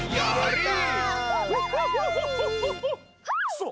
そう。